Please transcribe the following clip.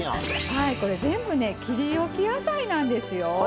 はいこれ全部ね「切りおき野菜」なんですよ。